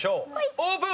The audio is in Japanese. オープン！